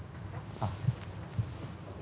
あっ。